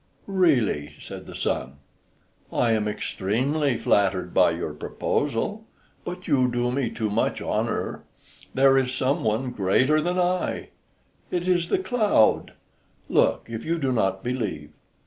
"Really," said the sun, "I am extremely flattered by your proposal, but you do me too much honor; there is some one greater than I; it is the cloud. Look, if you do not believe."...